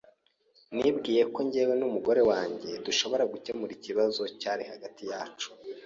Nibwiye ko jyewe n’umugore wanjye dushobora gukemura ikibazo cyari hagati yacu,